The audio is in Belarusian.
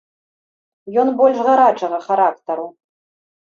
Ён больш гарачага характару.